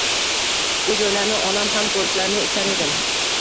Bu joylarni onam ham ko'rishlarini istar edim.